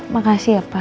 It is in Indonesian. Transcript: makasih ya pak